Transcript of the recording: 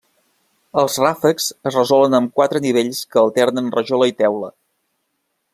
Els ràfecs es resolen amb quatre nivells que alternen rajola i teula.